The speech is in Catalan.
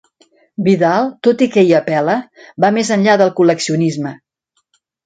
Vidal, tot i que hi apel·la, va més enllà del col·leccionisme.